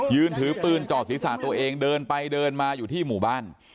ถือปืนจ่อศีรษะตัวเองเดินไปเดินมาอยู่ที่หมู่บ้าน